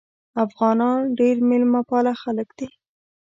افغانان ډیر میلمه پاله خلک دي.